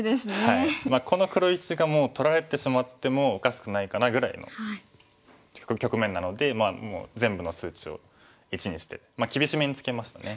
この黒石がもう取られてしまってもおかしくないかなぐらいの局面なのでもう全部の数値を１にして厳しめにつけましたね。